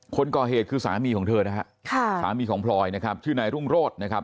คนก่อเหตุคือสามีของเธอนะฮะค่ะสามีของพลอยนะครับชื่อนายรุ่งโรธนะครับ